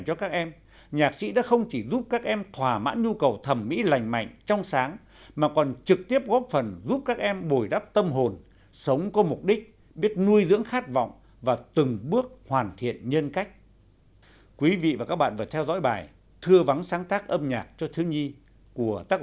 chương trình hôm nay tạm dừng ở đây cảm ơn quý vị và các bạn đã quan tâm theo dõi xin chào và hẹn gặp lại trong các chương trình sau